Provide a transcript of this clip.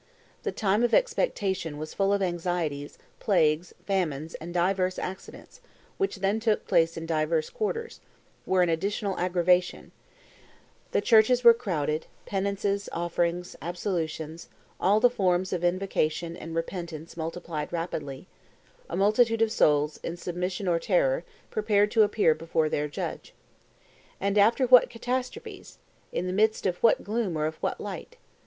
The time of expectation was full of anxieties; plagues, famines, and divers accidents which then took place in divers quarters, were an additional aggravation; the churches were crowded; penances, offerings, absolutions, all the forms of invocation and repentance multiplied rapidly; a multitude of souls, in submission or terror, prepared to appear before their Judge. And after what catastrophes? In the midst of what gloom or of what light?